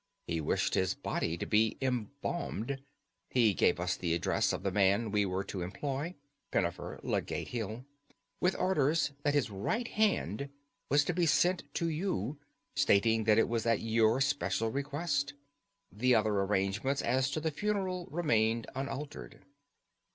He wished his body to be embalmed (he gave us the address of the man we were to employ—Pennifer, Ludgate Hill), with orders that his right hand was to be sent to you, stating that it was at your special request. The other arrangements as to the funeral remained unaltered."